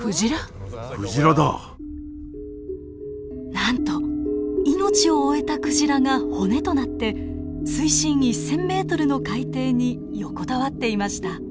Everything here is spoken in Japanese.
なんと命を終えたクジラが骨となって水深１，０００ｍの海底に横たわっていました。